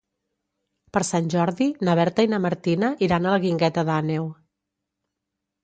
Per Sant Jordi na Berta i na Martina iran a la Guingueta d'Àneu.